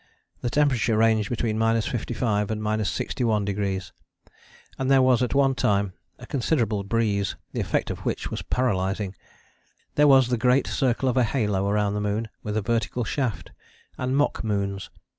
The temperature ranged between 55° and 61°, and there was at one time a considerable breeze, the effect of which was paralysing. There was the great circle of a halo round the moon with a vertical shaft, and mock moons.